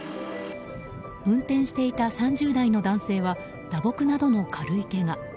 運転していた３０代の男性は打撲などの軽いけが。